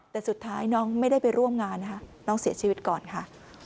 แต่สุดท้ายน้องไม่ได้ไปร่วมงานนะคะน้องเสียชีวิตก่อนค่ะ